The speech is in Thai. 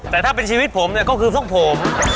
แต่ถ้าเป็นชีวิตผมเนี่ยก็คือทรงผม